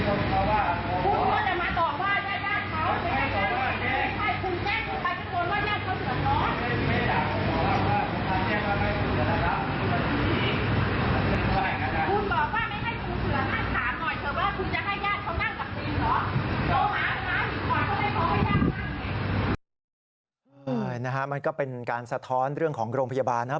นะฮะมันก็เป็นการสะท้อนเรื่องของโรงพยาบาลนะ